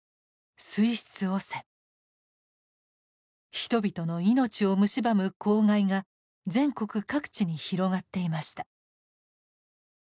人々の命をむしばむ公害が全国各地に広がっていました。